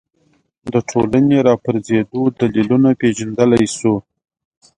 د ټولنې راپرځېدو دلیلونه پېژندلی شو